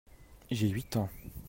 J'ai huit ans.